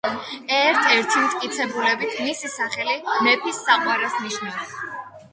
ერთ-ერთი მტკიცებულებით, მისი სახელი „მეფის საყვარელს“ ნიშნავს.